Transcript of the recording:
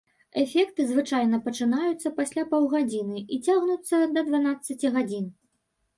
Эфекты звычайна пачынаюцца пасля паўгадзіны і цягнуцца да дванаццаці гадзін.